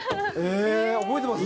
覚えてます？